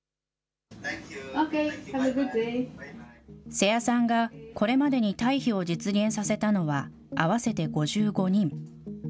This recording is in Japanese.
瀬谷さんが、これまでに退避を実現させたのは、合わせて５５人。